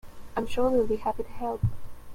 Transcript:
I'm sure they'll be happy to help.